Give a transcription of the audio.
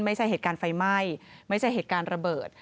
ไม่ใช่เหตุการณ์ไฟไหม้ไม่ใช่เหตุการณ์ระเบิด